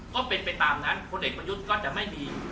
ก็เป็นไปตามนั้นคนเด็กพยุทธก็จะไม่มี